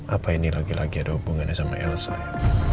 apa ini lagi lagi ada hubungannya sama elsa